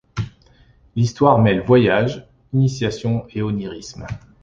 L'histoire mêle voyage, initiation et onirisme.